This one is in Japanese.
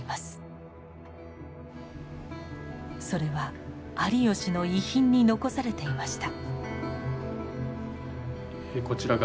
それは有吉の遺品に残されていました。